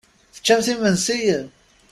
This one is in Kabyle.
Teččamt imensi?